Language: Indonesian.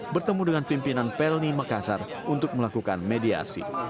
bertemu dengan pimpinan pelni makassar untuk melakukan mediasi